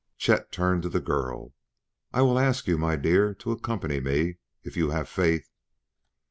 Chet turned to the girl. "I will ask you, my dear, to accompany me if you have faith."